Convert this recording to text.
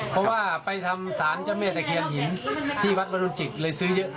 เพราะว่าไปทำสารเจ้าแม่ตะเคียนหินที่วัดมรุนจิตเลยซื้อเยอะ